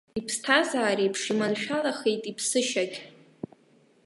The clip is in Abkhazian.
Иԥсҭазаареиԥш, иманшәаламхеит иԥсышьагь.